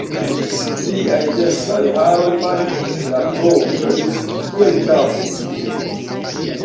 Liaj densaj haroj falis ĝis la brovoj, kiel ĉapo.